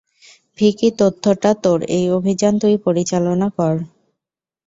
ভিকি তথ্যটা তোর, এই অভিযান তুই পরিচালনা কর।